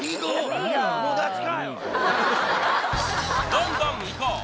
どんどんいこう！